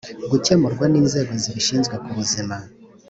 gukemurwa n inzego zibishinzwe kubuzima